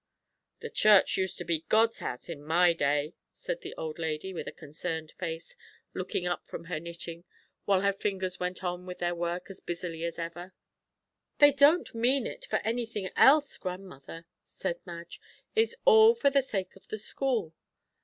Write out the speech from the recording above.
"The church used to be God's house, in my day," said the old lady, with a concerned face, looking up from her knitting, while her fingers went on with their work as busily as ever. "They don't mean it for anything else, grandmother," said Madge. "It's all for the sake of the school."